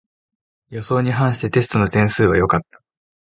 予想に反してテストの点数は良かった